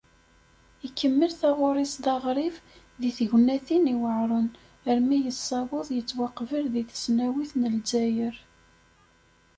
Ikemmel taɣuri-s d aɣrib, di tegnatin iweɛren, armi yessaweḍ yettwaqbel di tesnawit n Lezzayer.